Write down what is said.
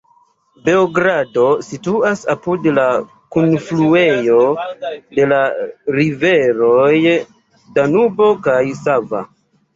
Beogrado situas apud la kunfluejo de la riveroj Danubo kaj Sava.